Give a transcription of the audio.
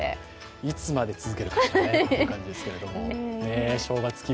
いつまで続けるかなという感じですけれども、正月気分